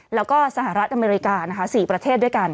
แล้วก็สหรัฐอเมริกานะคะ๔ประเทศด้วยกัน